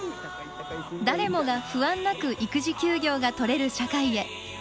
誰もが不安なく育児休業が取れる社会へ。